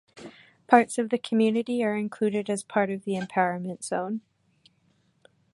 Parts of the community are included as part of the empowerment zone.